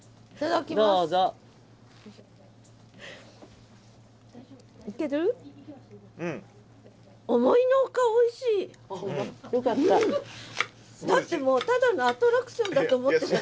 だってもうただのアトラクションだと思ってたから。